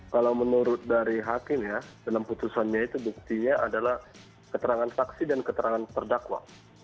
kalau menurut dari hakim ya dalam putusannya itu buktinya adalah keterangan saksi dan keterangan terdakwa